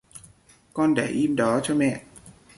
con để im đó cho mẹ